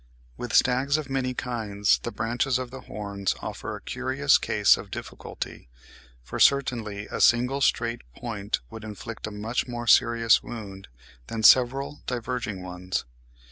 With stags of many kinds the branches of the horns offer a curious case of difficulty; for certainly a single straight point would inflict a much more serious wound than several diverging ones.